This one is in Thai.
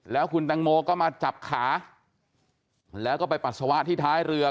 แล้วคุณแตงโมก็มาจับขาแล้วก็ไปปัสสาวะที่ท้ายเรือ